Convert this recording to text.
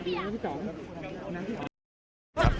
กรมชาติการตำรวจนครบาน๑ใน๘ผู้ต้องหาคดีเว็บพนันออนไลน์